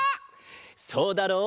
そうだろう？